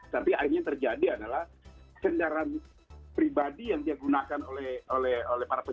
tapi akhirnya terjadi adalah kendaraan pribadi yang digunakan oleh polri